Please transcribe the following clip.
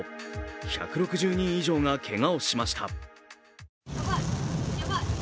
１６０人以上がけがをしました。